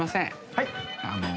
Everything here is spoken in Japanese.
はい。